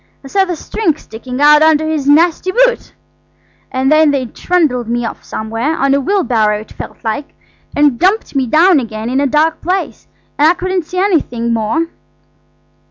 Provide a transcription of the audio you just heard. I saw the string sticking out under his nasty boot. And then they trundled me off somewhere, on a wheelbarrow it felt like, and dumped me down again in a dark place–and I couldn't see anything more."